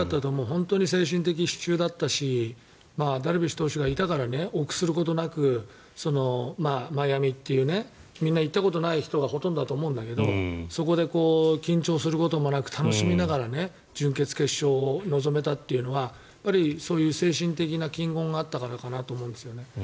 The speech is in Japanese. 本当に精神的支柱だったしダルビッシュ投手がいたから臆することなく、マイアミというみんな行ったことない人がほとんどだと思うんだけどそこで緊張することもなく楽しみながら準決、決勝に臨めたというのはそういう精神的な金言があったからだと思うんですよね。